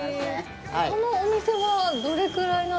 このお店はどれくらいなんですか？